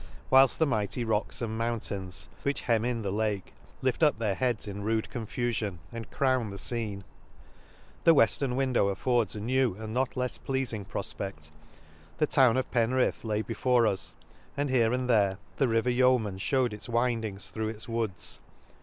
whilft the mighty rocks and rnoun \ t U ... tains • the Lakes. 43 tains which hemn in the lake, lift up their heads in rude confufion, and crowo the fcene, ■— The weftern window affords a new, and not lefs pleafing profped: ;— the town of Penrith lay before us, and here and there the river Yeoman fliewed its 4 wind ings through its woods.